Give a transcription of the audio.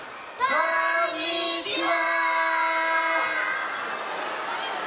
こんにちは！